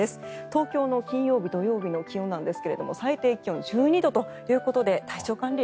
東京の金曜日、土曜日の気温なんですが最低気温１２度ということで体調管理